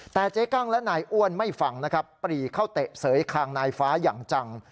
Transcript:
แต่เจ๊กั้งและนายอ้วนไม่ฟังนะครับปรีเข้าเตะเสยคางนายฟ้าอย่างจัง